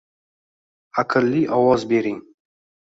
Aqlli ovoz bering